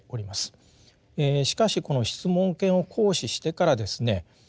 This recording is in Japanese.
しかしこの質問権を行使してからですね